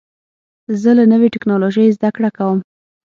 زه له نوې ټکنالوژۍ زده کړه کوم.